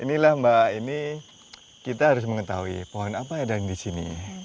inilah mbak ini kita harus mengetahui pohon apa ada yang di sini